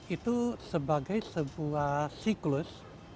itu sebagai sebuah siklus